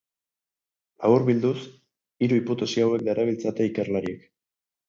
Laburbilduz, hiru hipotesi hauek darabiltzate ikerlariek.